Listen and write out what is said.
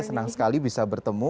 senang sekali bisa bertemu